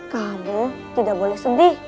kamu tidak boleh sedih